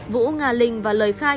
vũ nga linh và lời khai